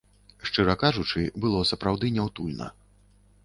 Шчыра кажучы, было сапраўды няўтульна.